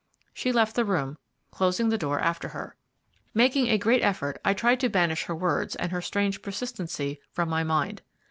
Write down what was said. She left the room, closing the door after her. Making a great effort, I tried to banish her words and her strange persistency from my mind.